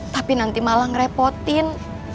tapi nanti malah ngerepotin